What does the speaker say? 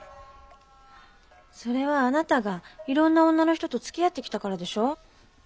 それはあなたがいろんな女の人とつきあってきたからでしょう。